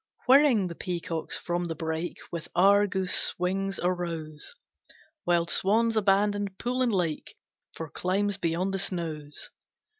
Whirring the peacocks from the brake With Argus wings arose, Wild swans abandoned pool and lake For climes beyond the snows.